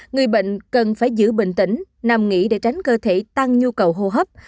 chín mươi bốn người bệnh cần phải giữ bình tĩnh nằm nghỉ để tránh cơ thể tăng nhu cầu hô hấp